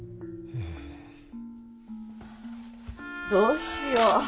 どうしよう。